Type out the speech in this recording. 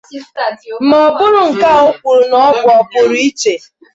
ma bụrụ nke o kwuru na ọ bụ ọpụrụ iche.